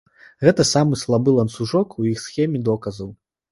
Гэта самы слабы ланцужок у іх схеме доказаў.